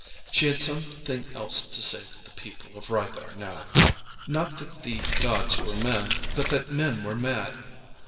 She had something else to say to the people of Rythar now: not that the gods were men, but that men were mad.